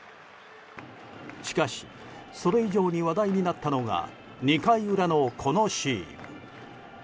しかし、それ以上に話題になったのが２回裏のこのシーン。